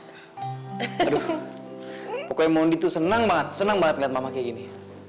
aduh pokoknya mondi itu senang banget senang banget gak mama kayak gini